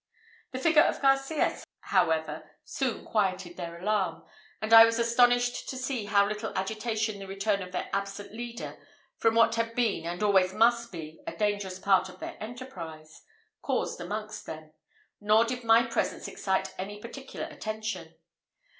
The figure of Garcias, however, soon quieted their alarm; and I was astonished to see how little agitation the return of their absent leader, from what had been, and always must be, a dangerous part of their enterprise, caused amongst them; nor did my presence excite any particular attention.